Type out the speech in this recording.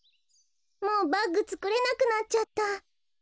もうバッグつくれなくなっちゃった。